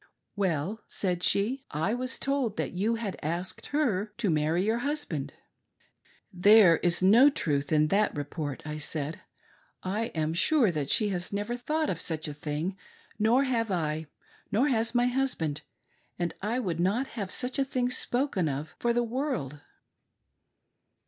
" Well," said she, " I was told that you had asked her to marry your husband." " There is no truth in the report," I said, " I am sure that she has never thought of such a thing, nor have I, nor has my husband; and I would not have such a thing spoken of for the world."